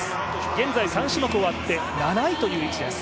現在３種目が終わって７位という位置です。